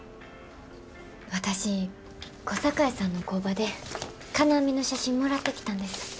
私小堺さんの工場で金網の写真もらってきたんです。